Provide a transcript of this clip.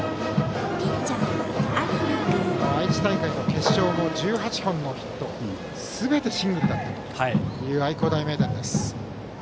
愛知大会の決勝も１８本のヒットすべてシングルだったという愛工大名電です。